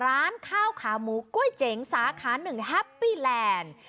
ร้านข้าวขาหมูกล้วยเจ๋งสาขา๑แฮปปี้แลนด์